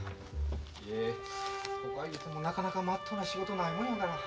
いえほかいうてもなかなかまっとうな仕事ないもんやから。